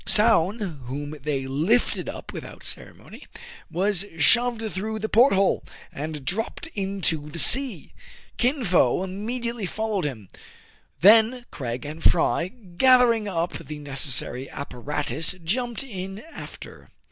Soun, whom they lifted up without ceremony, was shoved through the port hole, and dropped into the sea. Kin Fo immediately fol lowed him ; then Craig and Fry, gathering up the necessary apparatus, jumped in after.